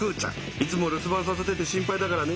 いつもるすばんさせてて心配だからね